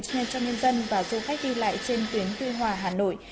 xe cho nhân dân và du khách đi lại trên tuyến tuy hòa hà nội